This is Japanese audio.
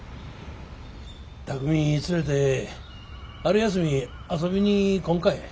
巧海連れて春休み遊びに来んかえ？